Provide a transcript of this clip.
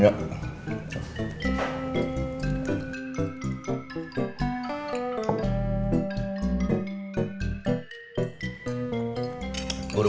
gak ada di tabungan